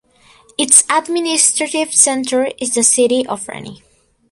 Its administrative center is the city of Reni.